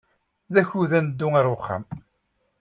D akud ad neddu ɣer wexxam?